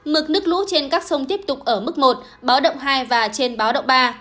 mực nước lũ trên các sông tiếp tục ở mức một báo động hai và trên báo động ba